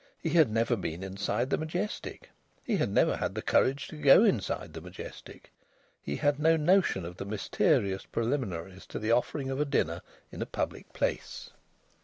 He had never been inside the Majestic. He had never had the courage to go inside the Majestic. He had no notion of the mysterious preliminaries to the offering of a dinner in a public place.